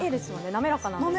滑らかなんですよ